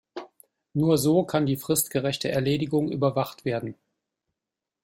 Nur so kann die fristgerechte Erledigung überwacht werden.